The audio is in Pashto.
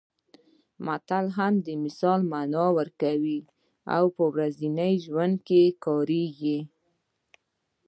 متل هم د مثال مانا ورکوي او په ورځني ژوند کې کارېږي